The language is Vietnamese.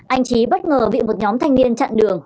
anh trí bất ngờ bị một nhóm thanh niên chặn đường